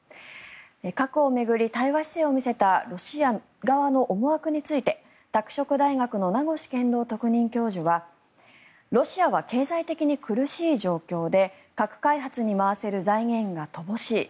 過去を巡り対話姿勢を見せたロシア側の思惑について拓殖大学の名越健郎特任教授はロシアは経済的に苦しい状況で核開発に回せる財源が乏しい。